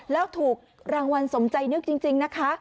แล้วถูกรางวัลสมใจนึกจริงนะคะ